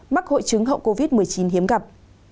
mắc hội chứng hậu covid một mươi chín hiếm gặp